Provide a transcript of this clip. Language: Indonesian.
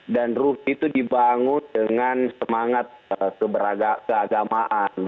dan ruh itu dibangun dengan semangat keberagamaan